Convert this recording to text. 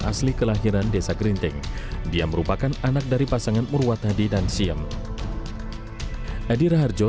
asli kelahiran desa kerinting dia merupakan anak dari pasangan murwathadi dan siam edira harjo